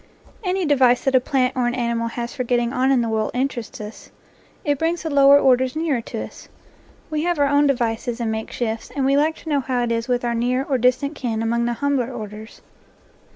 Any device that a plant or an animal has for get ting on in the world interests us; it brings the lower orders nearer to us. We have our own devices and NATURE LORE makeshifts, and we like to know how it is with our near or distant kin among the humbler orders.